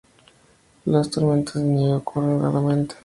Las tormentas de nieve ocurren raramente.